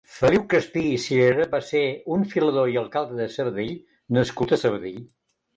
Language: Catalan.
Feliu Crespí i Cirera va ser un filador i alcalde de Sabadell nascut a Sabadell.